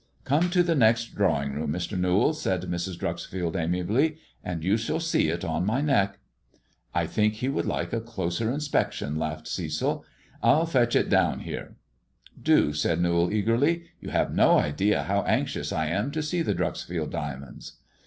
" Come to the next Drawing room, Mr. Newall," said Mrs. Dreuxfield, amiably, "and you shall see it on my neck." " I think he would like a closer inspection," laughed Cecil. " I'll fetch it down here." "Do," said Newall, eagerly, "you have no idea how anxious I am to see the Dreuxfield diamonds."